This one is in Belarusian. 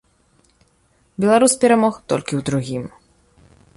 Беларус перамог толькі ў другім.